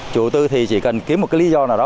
chủ tư chỉ cần kiếm một lý do nào đó